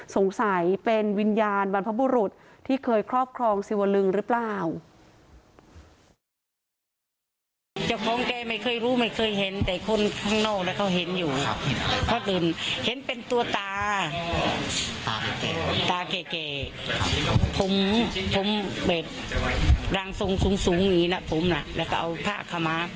สงสัยเป็นวิญญาณบรรพบุรุษที่เคยครอบครองสิวลึงหรือเปล่า